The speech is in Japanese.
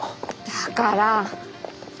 だから！